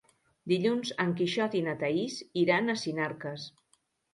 Dilluns en Quixot i na Thaís iran a Sinarques.